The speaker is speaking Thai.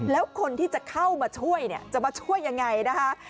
แล้วคนที่จะเข้ามาช่วยเนี่ยจะมาช่วยยังไงนะคะ